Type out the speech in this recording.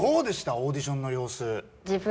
オーディションのようす。